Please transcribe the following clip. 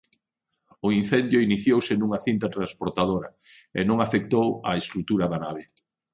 O incendio iniciouse nunha cinta transportadora e non afectou a estrutura da nave.